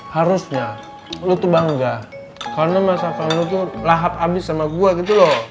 harusnya lu tuh bangga karena masakan lu tuh lahap abis sama gue gitu loh